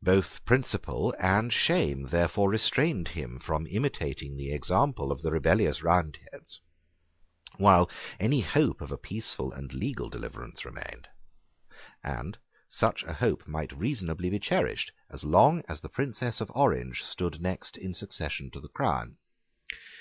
Both principle and shame therefore restrained him from imitating the example of the rebellious Roundheads, while any hope of a peaceful and legal deliverance remained; and such a hope might reasonably be cherished as long as the Princess of Orange stood next in succession to the crown.